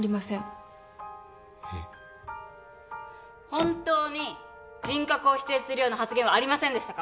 本当に人格を否定するような発言はありませんでしたか？